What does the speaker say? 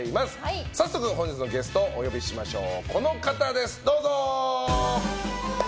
早速本日のゲストお招きしましょう。